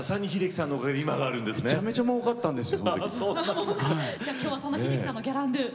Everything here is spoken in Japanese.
めちゃめちゃもうかったんですよ。